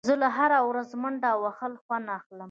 زه له هره ورځ منډه وهل خوند اخلم.